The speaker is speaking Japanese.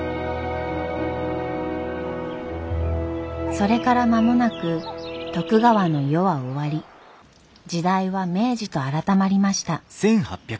それから間もなく徳川の世は終わり時代は「明治」と改まりました。